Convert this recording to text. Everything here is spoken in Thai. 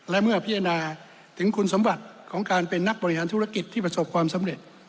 และเมื่อพิจารณาถึงคุณสมบัติของการเป็นนักบริหารธุรกิจที่ประสบความสำเร็จ